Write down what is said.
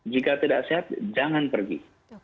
jika tidak sehat jangan pergi